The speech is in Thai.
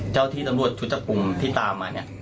เจ้าที่ตำรวจชุดจับกลุ่มที่ตามมาเนี่ย